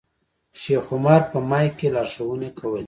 شیخ عمر په مایک کې لارښوونې کولې.